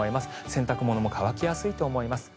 洗濯物も乾きやすいと思います。